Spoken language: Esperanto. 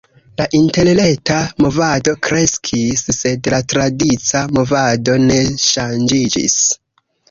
La interreta movado kreskis, sed la tradica movado ne ŝanĝiĝis.